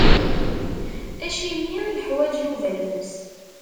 Acimi i yeḥwaǧ Yuba lmus?